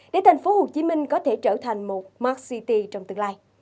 để thành phố hồ chí minh có thể trở thành một mart city trong tương lai